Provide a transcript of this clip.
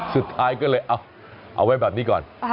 สุดท้ายก็เลยเอาไว้แบบนี้ก่อน